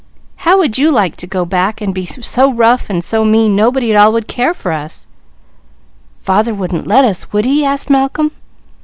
How would you like to go back and be so rough and so mean nobody at all would care for us?" "Father wouldn't let us, would he?" asked Malcolm.